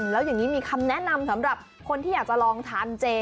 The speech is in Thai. แล้วอย่างนี้มีคำแนะนำสำหรับคนที่อยากจะลองทานเจ